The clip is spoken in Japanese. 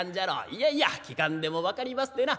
いやいや聞かんでも分かりますでな。